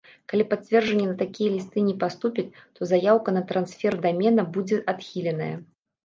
Калі пацвярджэнні на такія лісты не паступяць, то заяўка на трансфер дамена будзе адхіленая.